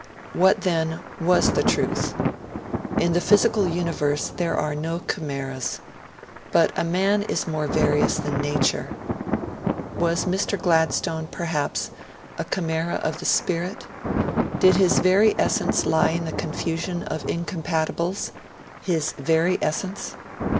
What, then, was the truth? In the physical universe there are no chimeras. But man is more various than nature; was Mr. Gladstone, perhaps, a chimera of the spirit? Did his very essence lie in the confusion of incompatibles? His very essence?